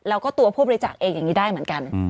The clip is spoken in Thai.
แล้วก็ตัวผู้บริจาคเองอย่างนี้ได้เหมือนกัน